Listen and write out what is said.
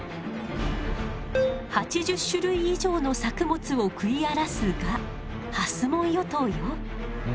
８０種類以上の作物を食い荒らすガハスモンヨトウよ。